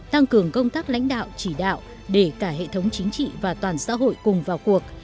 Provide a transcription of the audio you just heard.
tăng cường công tác lãnh đạo chỉ đạo để cả hệ thống chính trị và toàn xã hội cùng vào cuộc